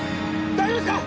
大丈夫ですか？